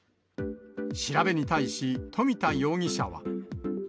調べに対し、富田容疑者は。